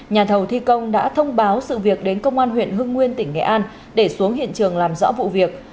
nhà thầu thi công đã thông báo sự việc đến công an huyện hưng nguyên tỉnh nghệ an để xuống hiện trường làm rõ vụ việc